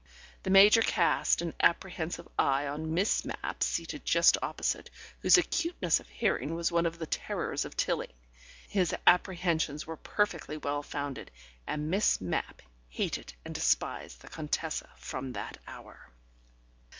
The Major cast an apprehensive eye on Miss Mapp seated just opposite, whose acuteness of hearing was one of the terrors of Tilling. ... His apprehensions were perfectly well founded, and Miss Mapp hated and despised the Contessa from that hour.